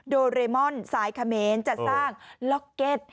โดเรมอนสายเขมรจัดสร้างล็อกเก็ต